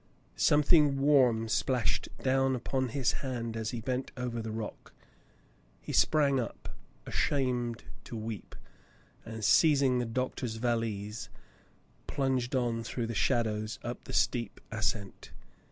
Something warm splashed down upon his hand as he bent over the rock. He sprang up, ashamed to weep, and, seizing the doctor's valise, plunged on through the shadows up the steep ascent.